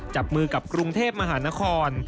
จับมือกับกรุงเทพมหานคร